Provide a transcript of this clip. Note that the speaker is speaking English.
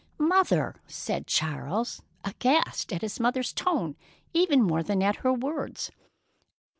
"Mother!" said Charles, aghast at his mother's tone even more than at her words.